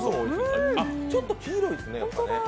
ちょっと黄色いですね。